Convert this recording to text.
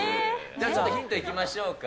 じゃあ、ちょっとヒントいきましょうか。